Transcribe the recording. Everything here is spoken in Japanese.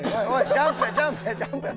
ジャンプやジャンプやジャンプや！